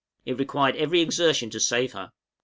It required every exertion to save her.